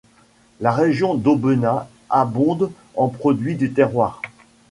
La région d'Aubenas abonde en produits du terroir.